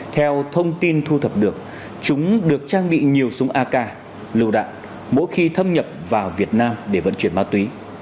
theo thông tin thu thập được chúng được trang bị nhiều súng ak lưu đạn mỗi khi thâm nhập vào việt nam để vận chuyển ma túy